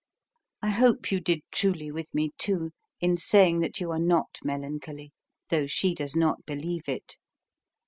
I hope you did truly with me, too, in saying that you are not melancholy (though she does not believe it).